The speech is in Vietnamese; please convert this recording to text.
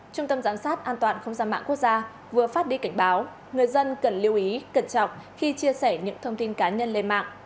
trung tâm giám sát an toàn không gian mạng quốc gia vừa phát đi cảnh báo người dân cần lưu ý cẩn trọng khi chia sẻ những thông tin cá nhân lên mạng